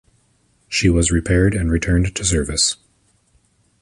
She was repaired and returned to service.